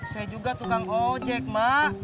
saya juga tukang ojek mbak